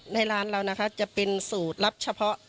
ในร้านเรานะคะจะเป็นสูตรลับเฉพาะ